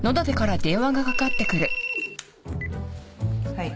はい。